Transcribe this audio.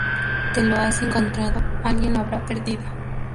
¿Te lo has encontrado? Alguien lo habrá perdido